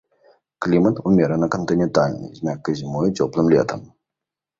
Клімат умерана кантынентальны з мяккай зімой і цёплым летам.